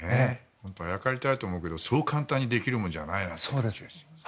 本当にあやかりたいと思うけどそう簡単にできるものじゃないなと思います。